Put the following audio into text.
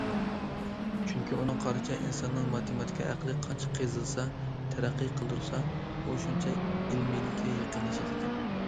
چۈنكى، ئۇنىڭ قارىشىچە ئىنساننىڭ ماتېماتىكا ئەقلى قانچە قېزىلسا، تەرەققىي قىلدۇرسا، ئۇ شۇنچە ئىلمىيلىككە يېقىنلىشىدىكەن.